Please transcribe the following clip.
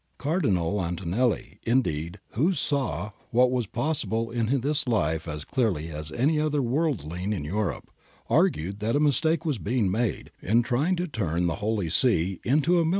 Cardinal Antonelli, indeed, who saw what was possible in this life as clearly as any other worldling in Europe, argued that a mistake was being made ' in trying to turn the Holy See into a military ^F.